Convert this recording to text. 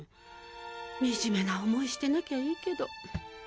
惨めな思いしてなきゃいいけど。